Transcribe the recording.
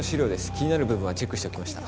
気になる部分はチェックしておきました。